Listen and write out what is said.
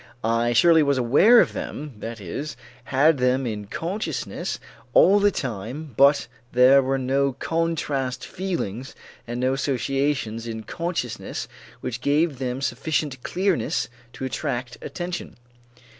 I surely was aware of them, that is, had them in consciousness all the time but there were no contrast feelings and no associations in consciousness which gave them sufficient clearness to attract attention.